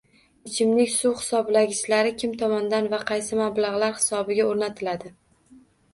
Ichimlik suv hisoblagichlari kim tomonidan va qaysi mablag‘lar hisobiga o‘rnatiladi?